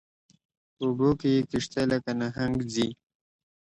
په اوبو کې یې کشتۍ لکه نهنګ ځي